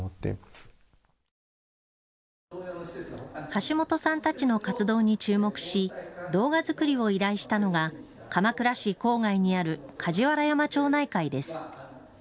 橋本さんたちの活動に注目し動画作りを依頼したのが鎌倉市郊外にある梶原山町内会です。